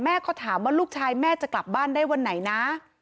ก็ถามว่าลูกชายแม่จะกลับบ้านได้วันไหนนะ